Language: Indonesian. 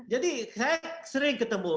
jadi saya sering ketemu